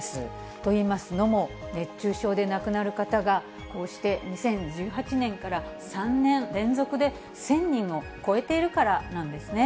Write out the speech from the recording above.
といいますのも、熱中症で亡くなる方がこうして、２０１８年から３年連続で１０００人を超えているからなんですね。